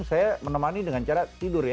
saya menemani dengan cara tidur ya